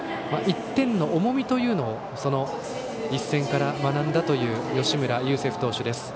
１点の重みというのをその一戦から学んだという吉村優聖歩投手です。